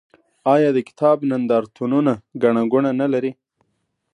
آیا د کتاب نندارتونونه ګڼه ګوڼه نلري؟